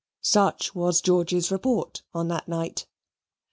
Such was George's report on that night.